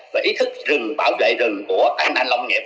và ý thức bảo vệ rừng của anh anh lông nghiệp